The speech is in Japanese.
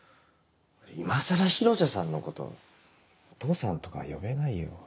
今更広瀬さんのこと「お父さん」とか呼べないよ。